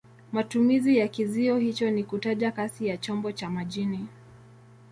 Matumizi ya kizio hicho ni kutaja kasi ya chombo cha majini.